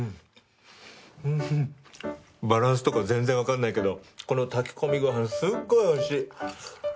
バランスとかは全然わかんないけどこの炊き込みご飯すっごいおいしい。